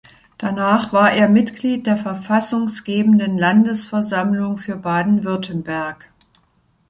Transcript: Danach war er Mitglied der Verfassunggebenden Landesversammlung für Baden-Württemberg.